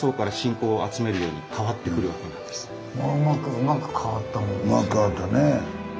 うまく変わったね。